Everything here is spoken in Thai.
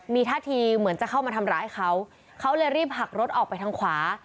มีท่าทีเหมือนจะเข้ามาทำร้ายเขาเขาเลยรีบหักรถออกไปทางขวา